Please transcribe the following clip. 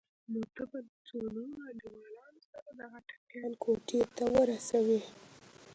نو ته به له څو نورو انډيوالانو سره دغه ټپيان کوټې ته ورسوې.